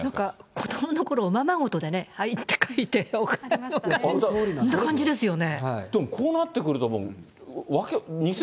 子どものころ、おままごとではいって書いて、お金にして、そんな感じですよね。